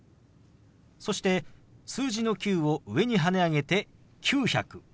そして数字の「９」を上にはね上げて「９００」。